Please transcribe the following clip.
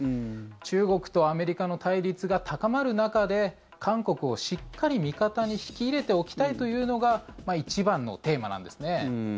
中国とアメリカの対立が高まる中で韓国をしっかり味方に引き入れておきたいというのが一番のテーマなんですね。